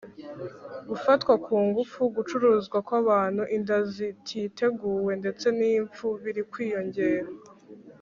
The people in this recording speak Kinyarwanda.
gufatwa ku ngufu, gucuruzwa kw’abantu, inda zititeguwe ndetse n’imfu biri kwiyongera